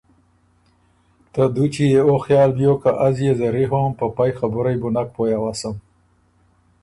ته دُوچی يې او خیال بيوک که از يې زری هوم په پئ خبُرئ بُو نک پویٛ اؤسم،